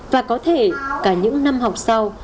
và có thể cả những năm học sau